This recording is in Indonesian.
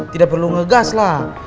tidak perlu ngegas lah